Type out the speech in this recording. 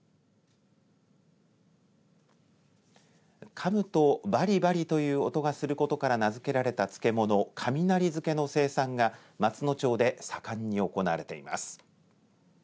かむとばりばりという音がすることから名付けられた漬物雷漬の生産が松野町で盛んに行われています。